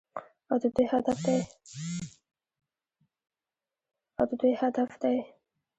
او د دوی هدف دی.